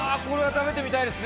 食べてみたいですね。